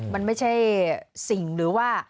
มันไม่ใช่สิ่งหรือว่า